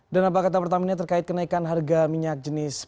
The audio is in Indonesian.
dan apa kata pertamina terkait kenaikan harga minyak jenis pertamax